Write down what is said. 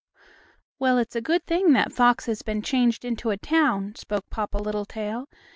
"Well, it's a good thing that fox has been changed into a town," spoke Papa Littletail.